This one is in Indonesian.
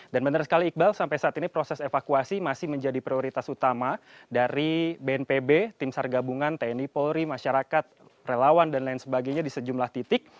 dan benar sekali iqbal sampai saat ini proses evakuasi masih menjadi prioritas utama dari bnpb tim sargabungan tni polri masyarakat relawan dan lain sebagainya di sejumlah titik